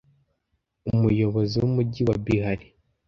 Umuyobozi w’umujyi wa Bihar